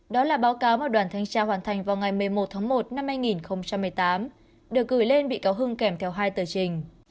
đó là báo cáo mà đoàn thanh tra hoàn thành vào ngày một mươi một tháng một năm hai nghìn một mươi tám được gửi lên bị cáo hưng kèm theo hai tờ trình